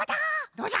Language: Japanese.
どうじゃ？